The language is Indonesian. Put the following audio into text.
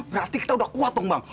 berarti kita udah kuat dong bang